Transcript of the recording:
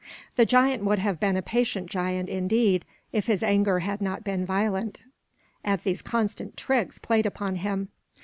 The giant would have been a patient giant, indeed, if his anger had not been violent at these constant tricks played upon him.